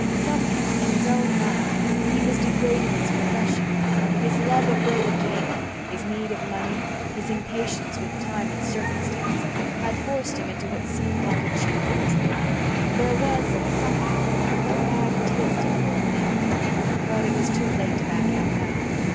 Somehow, in his own mind, he was degrading his profession. His love of Rhoda Kane, his need of money, his impatience with time and circumstance, had forced him into what seemed like a cheap intrigue. There was, somehow, a bad taste to the whole thing. But it was too late to back out now.